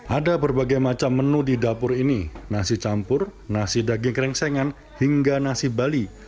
ada berbagai macam menu di dapur ini nasi campur nasi daging krengsengan hingga nasi bali